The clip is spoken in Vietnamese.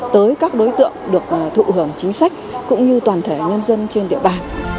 tới các đối tượng được thụ hưởng chính sách cũng như toàn thể nhân dân trên địa bàn